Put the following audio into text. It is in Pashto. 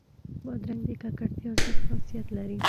بادرنګ د ککړتیا ضد خاصیت لري.